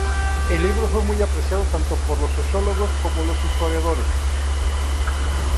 El libro fue muy apreciado tanto por los sociólogos como por los historiadores.